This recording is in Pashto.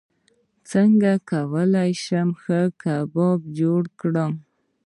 څنګه کولی شم ښه کباب جوړ کړم